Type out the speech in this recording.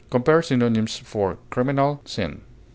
Compare synonyms for CRIMINAL; SIN.